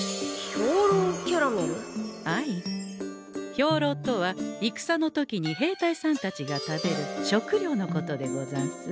兵糧とは戦の時に兵隊さんたちが食べる食糧のことでござんす。